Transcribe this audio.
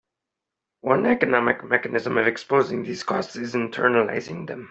One economic mechanism of exposing these costs is internalizing them.